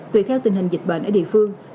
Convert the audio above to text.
tùy theo tình hình dịch bệnh ở địa phương